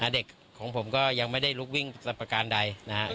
เด็กของผมก็ยังไม่ได้ลุกวิ่งทรัพย์ประการใด